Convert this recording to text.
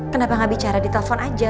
kenapa gak bicara di telepon aja